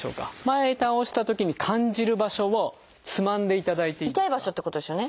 前へ倒したときに感じる場所をつまんでいただいていいですか。